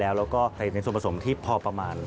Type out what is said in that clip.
แล้วก็ในส่วนผสมที่พอประมาณ